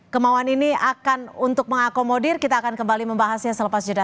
kemauan ini akan untuk mengakomodir kita akan kembali membahasnya selepas jeda